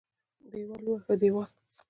دېوال ووهه دېوال.